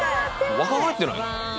若返ってない？